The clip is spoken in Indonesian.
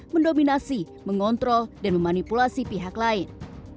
mendominasi mengontrol dan memanipulasi pihak lain